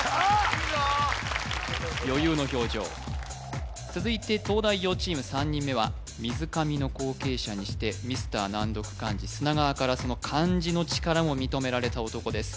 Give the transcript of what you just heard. ・いいぞ余裕の表情続いて東大王チーム３人目は水上の後継者にしてミスター難読漢字砂川からその漢字の力も認められた男です